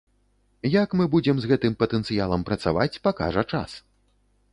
Як мы будзем з гэтым патэнцыялам працаваць, пакажа час.